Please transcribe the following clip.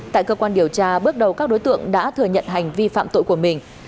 tại cơ quan điều tra bước đầu các đối tượng đã thừa nhận hành vi phạm tội của mình